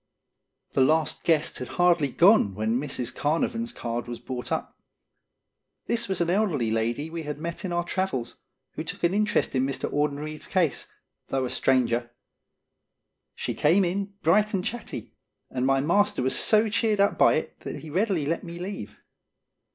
The last guest had hardly gone when Mrs. Carnavon's card was brought up. This was an elderly lady we had met in our travels, who took an interest in Mr. Audenried's case, though a stranger. She came in, bright and chatty, and my master was so cheered up by it that he readily let me leave.